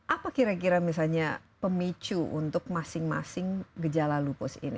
apa kira kira misalnya pemicu untuk masing masing gejala lupus ini